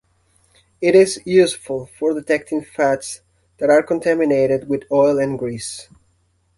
It is useful for detecting fats that are contaminated with oil and grease.